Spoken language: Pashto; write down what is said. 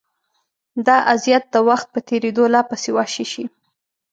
دا اذیت د وخت په تېرېدو لا پسې وحشي شي.